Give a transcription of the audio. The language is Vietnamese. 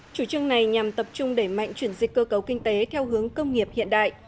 chủ trương này nhằm tập trung đẩy mạnh chuyển dịch cơ cấu kinh tế theo hướng công nghiệp hiện đại